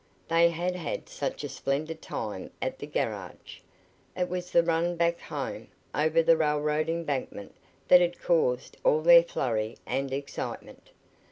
They had had such a splendid time at the garage. It was the run back home, over the railroad embankment, that had caused all their flurry and excitement.